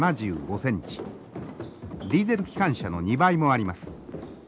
ディーゼル機関車の２倍もあります。